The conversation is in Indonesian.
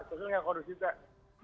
sesuai dengan kondisi kak